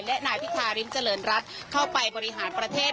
และนายพิธาริมเจริญรัฐเข้าไปบริหารประเทศ